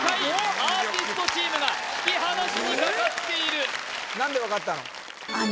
アーティストチームが引き離しにかかっている何で分かったの？